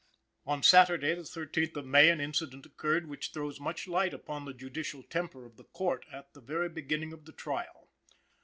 On Saturday, the 13th of May, an incident occurred which throws much light upon the judicial temper of the Court at the very beginning of the trial.